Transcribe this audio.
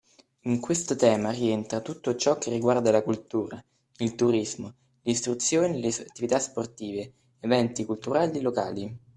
In questo tema rientra tutto ciò che riguarda la cultura, il turismo, l’istruzione e le attività sportive, eventi culturali e locali.